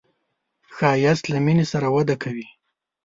ښایست له مینې سره وده کوي